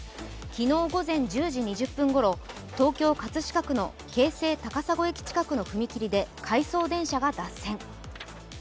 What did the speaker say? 昨日午前１０時２０分ころ東京・葛飾区の京成高砂駅近くの踏切で回送電車が脱線。